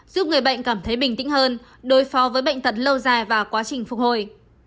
giúp người bệnh cảm thấy bình tĩnh hơn đối phó với bệnh tật lâu dài và quá trình phục hồi